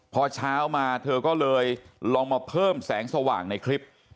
พอเช้ามาเธอก็เลยลองมาเพิ่มแสงสว่างในคลิป